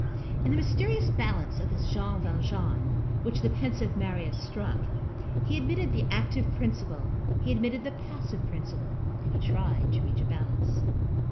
In the mysterious balance of this Jean Valjean which the pensive Marius struck, he admitted the active principle, he admitted the passive principle, and he tried to reach a balance.